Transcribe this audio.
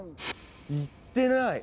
言ってない！